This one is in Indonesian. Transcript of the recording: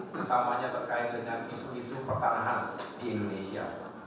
pertamanya terkait dengan isu isu pertanahan di indonesia